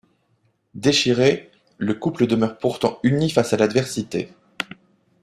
Déchiré, le couple demeure pourtant uni face à l'adversité…